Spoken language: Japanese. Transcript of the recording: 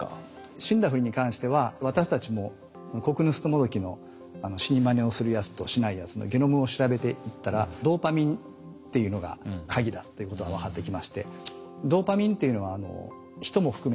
死んだふりに関しては私たちもコクヌストモドキの死にまねをするやつとしないやつのゲノムを調べていったらドーパミンっていうのが鍵だっていうことが分かってきまして。